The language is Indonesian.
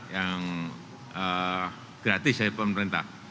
yang gratis dari pemerintah